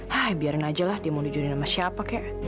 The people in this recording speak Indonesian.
hai biarin aja lah dia mau dijudohin sama siapa kek